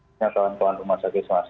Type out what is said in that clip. tidak soal masyarakat